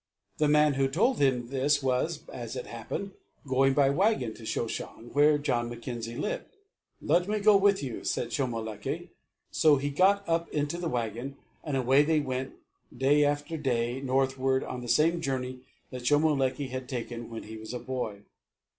The man who told him this was, as it happened, going by wagon to Shoshong, where John Mackenzie lived. "Let me go with you," said Shomolekae. So he got up into the wagon, and away they went day after day northward on the same journey that Shomolekae had taken when he was a boy.